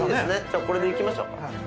じゃあこれで行きましょ。